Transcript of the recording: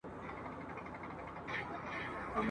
اولسونه به مي کله را روان پر یوه لار کې ..